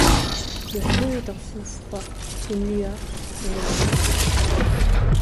Le feu est un feu froid, une lueur, et il ne brûle pas.